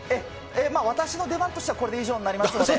私の出番としてはこれで以上になりますので。